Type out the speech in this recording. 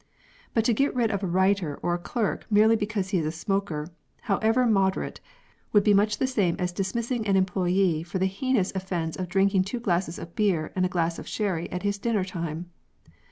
But to get rid of a writer or a clerk merely because he is a smoker, however mode rate, would be much the same as dismissing an employd for the heinous offence of drinking two glasses of beer and a glass of sherry at his dinner time.